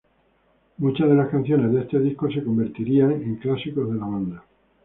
Muchas de las canciones de este disco se convertirían en clásicos de la banda.